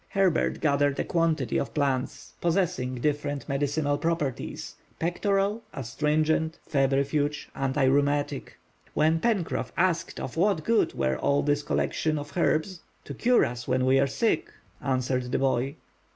Herbert gathered a quantity of plants possessing different medicinal properties, pectoral, astringent, febrifuge, anti rheumatic. When Pencroff asked of what good were all this collection of herbs:— "To cure us when we are sick," answered the boy.